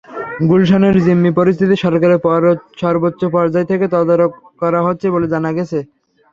গুলশানের জিম্মি পরিস্থিতি সরকারের সর্বোচ্চ পর্যায় থেকে তদারক করা হচ্ছে বলে জানা গেছে।